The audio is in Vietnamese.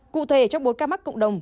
cụ thể trong bốn ca mắc cộng đồng